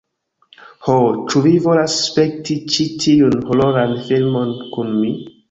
"Ho, ĉu vi volas spekti ĉi tiun hororan filmon kun mi?